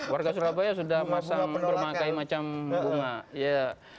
warga surabaya sudah bermakai macam bunga